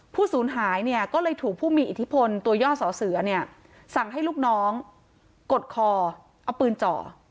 ศูนย์หายเนี่ยก็เลยถูกผู้มีอิทธิพลตัวย่อสอเสือเนี่ยสั่งให้ลูกน้องกดคอเอาปืนเจาะ